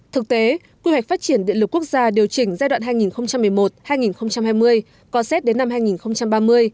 thực tế quy hoạch phát triển điện lực quốc gia điều chỉnh giai đoạn hai nghìn một mươi một hai nghìn hai mươi có xét đến năm hai nghìn ba mươi